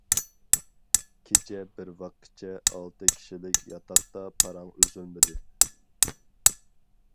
كېچە بىر ۋاققىچە ئالتە كىشىلىك ياتاقتا پاراڭ ئۈزۈلمىدى.